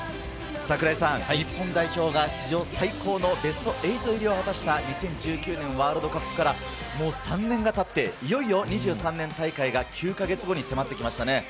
櫻井さん、日本代表が史上最高のベスト８入りを果たした２０１９年ワールドカップからもう３年が経って、いよいよ２３年大会が９か月後に迫ってきましたね。